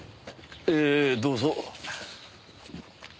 ええどうぞ。